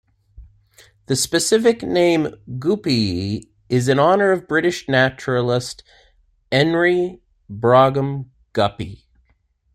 The specific name, "guppyi", is in honor of British naturalist Henry Brougham Guppy.